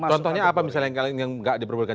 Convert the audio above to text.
contohnya apa misalnya yang nggak diperbolehkan